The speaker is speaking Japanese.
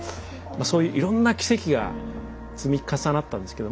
そういういろんな奇跡が積み重なったんですけど。